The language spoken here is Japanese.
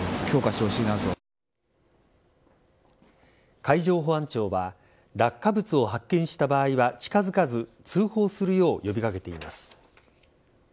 海上保安庁は落下物を発見した場合は近づかず通報するよう呼び掛けています。